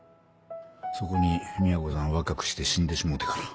そこにみやこさん若くして死んでしもうてから。